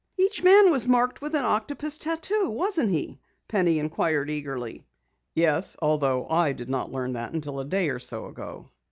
"Each man was marked with an octopus tattoo, wasn't he?" Penny inquired eagerly. "Yes, although I did not learn that until a day or so ago.